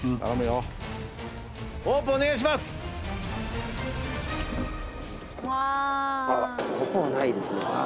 あっここはないですね。